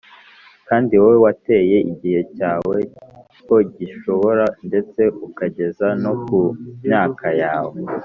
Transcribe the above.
kandi wowe wateye igihe cyawe ko gisohora ndetse ukageza no ku myaka yawe